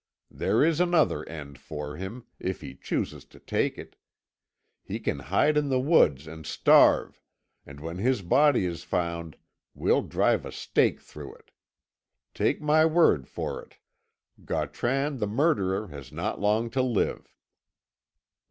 There is another end for him, if he chooses to take it. He can hide in the woods and starve, and when his body is found, we'll drive a stake through it. Take my word for it, Gautran, the murderer, has not long to live."